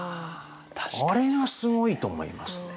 あれがすごいと思いますね。